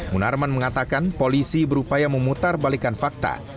munarman mengatakan polisi berupaya memutar balikan fakta